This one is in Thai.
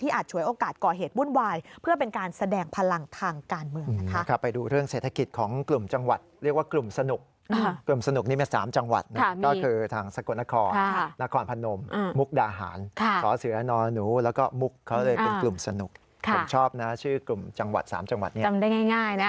ติดตามหาข่าวป้องปรามกลุ่มผู้ไม่หวังดี